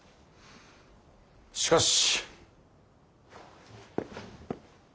しかし。